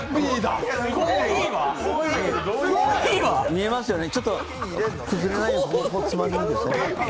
見えますよね。